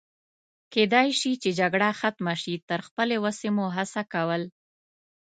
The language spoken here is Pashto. کېدای شي چې جګړه ختمه شي، تر خپلې وسې مو هڅه کول.